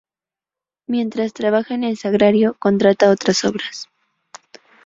Mientras trabaja en el Sagrario contrata otras obras.